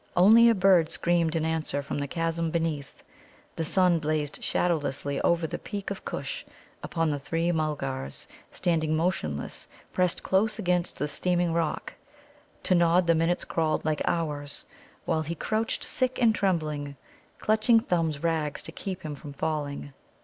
Only a bird screamed in answer from the chasm beneath. The sun blazed shadowlessly over the peak of Kush upon the three Mulgars, standing motionless, pressed close against the steaming rock. To Nod the minutes crawled like hours, while he crouched sick and trembling, clutching Thumb's rags to keep him from falling.